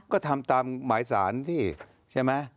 ก็ทำตามหมายสารสิใช่ไหม